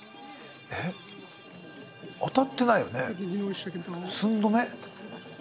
えっ当たってないよね？